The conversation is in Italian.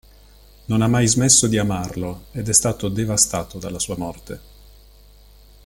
Non ha mai smesso di amarlo ed è stato devastato dalla sua morte.